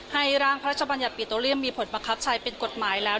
ร่างพระราชบัญญัติปิโตเรียมมีผลบังคับใช้เป็นกฎหมายแล้ว